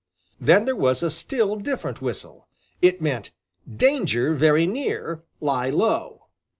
Then there was a still different whistle. It meant "Danger very near; lie low!"